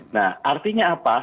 nah artinya apa